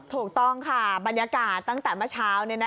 ถูกต้องค่ะบรรยากาศตั้งแต่เมื่อเช้า